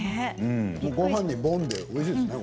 ごはんに、ぼんでおいしいですね。